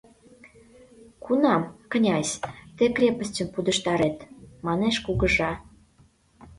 — Кунам, князь, тый крепостьым пудештарет? — манеш кугыжа.